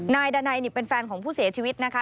นายดานัยนี่เป็นแฟนของผู้เสียชีวิตนะคะ